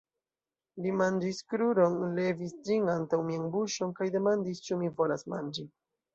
Li manĝis kruron, levis ĝin antaŭ mian buŝon kaj demandis ĉu mi volas manĝi.